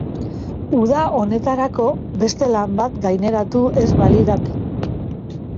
Uda honetarako beste lan bat gaineratu ez balidate.